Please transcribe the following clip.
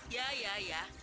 yah yah yah